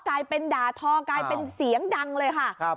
กลายเป็นด่าทอกลายเป็นเสียงดังเลยค่ะ